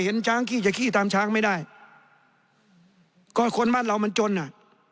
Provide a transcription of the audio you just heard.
เห็นช้างขี้จะขี้ตามช้างไม่ได้ก็คนบ้านเรามันจนอ่ะ